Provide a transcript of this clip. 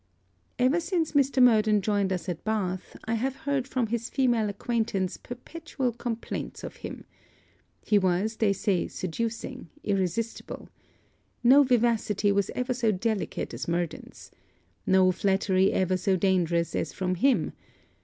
Ever since Mr. Murden joined us at Bath I have heard from his female acquaintance perpetual complaints of him. He was, they say, seducing, irresistible. No vivacity was ever so delicate as Murden's. No flattery ever so dangerous as from him.